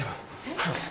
すいません。